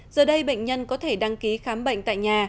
giờ đây bệnh nhân có thể đăng ký khám bệnh tại nhà